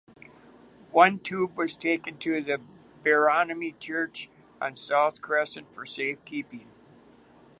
One tomb was taken to the Barony Church on South Crescent for safekeeping.